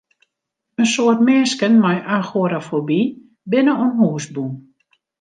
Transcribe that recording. In soad minsken mei agorafoby binne oan hûs bûn.